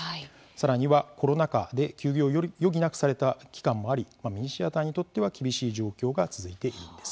さらにはコロナ禍で休業を余儀なくされた期間もありミニシアターにとっては厳しい状況が続いています。